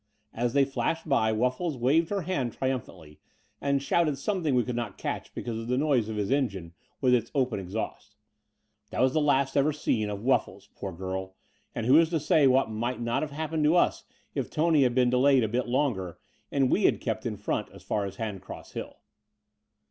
As they flashed by Wuffles waved her hand tritimph antly, and shouted something we could not catch because of the noise of his engine with its open ex haust. That was the last ever seen of WuflBes, poor girl ; and who is to say what might not have hap pened to us if Tony had been delayed a bit longer, and we had kept in front as far as Handcross Hill?